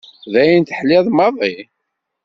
D ayen teḥliḍ maḍi?